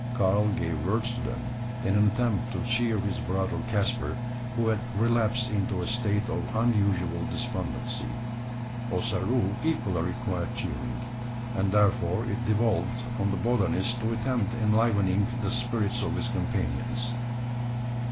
Karl gave words to them, in an attempt to cheer his brother Caspar who had relapsed into a state of unusual despondency. Ossaroo equally required cheering; and therefore it devolved on the botanist to attempt enlivening the spirits of his companions.